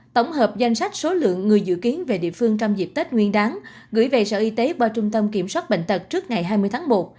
tổng hợp danh sách số lượng người dự kiến về địa phương trong dịp tết nguyên đáng gửi về sở y tế qua trung tâm kiểm soát bệnh tật trước ngày hai mươi tháng một